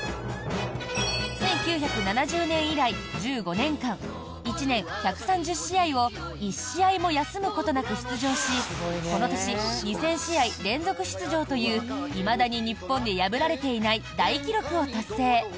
１９７０年以来１５年間１年１３０試合を１試合も休むことなく出場しこの年２０００試合連続出場といういまだに日本で破られていない大記録を達成。